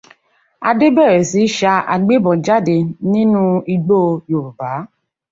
Adé bẹ̀rẹ̀ sí ṣa agbébọn jáde nínú igbó Yorùbá.